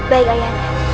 baik ayah anda